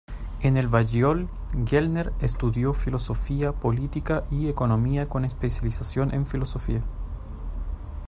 En el Balliol, Gellner estudió filosofía, política y economía, con especialización en filosofía.